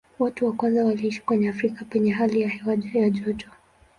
Watu wa kwanza waliishi katika Afrika penye hali ya hewa ya joto.